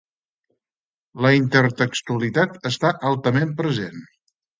La intertextualitat està altament present.